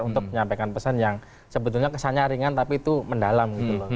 untuk menyampaikan pesan yang sebetulnya kesannya ringan tapi itu mendalam gitu loh